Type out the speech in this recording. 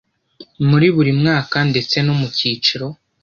muri buri mwaka ndetse no mu kiciro.